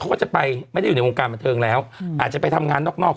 เขาก็จะไปไม่ได้อยู่ในวงการบันเทิงแล้วอาจจะไปทำงานนอกนอก